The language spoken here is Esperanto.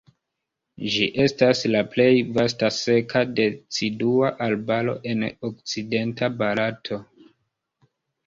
Ĝi estas la plej vasta seka decidua arbaro en okcidenta Barato.